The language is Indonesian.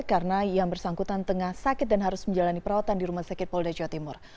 karena ia bersangkutan tengah sakit dan harus menjalani perawatan di rumah sakit polda jawa timur